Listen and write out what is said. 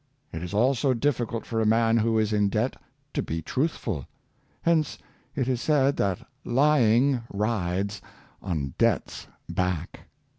It is also difficult for a man who is in debt to be truthful; hence it is said that lying rides on debt's back.